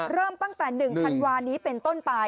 เริ่มตั้งแต่๑ธันวานี้เป็นต้นไป